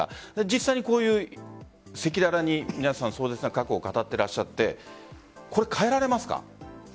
実際に、こういう赤裸々に皆さん、壮絶な過去を語っていらっしゃってこれ変えられますか？